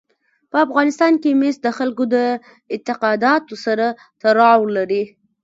په افغانستان کې مس د خلکو د اعتقاداتو سره تړاو لري.